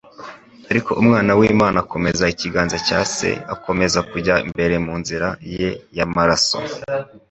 ariko Umwana w'Imana akomeza ikiganza cya Se maze akomeza kujya mbere mu nzira ye y'amaraso.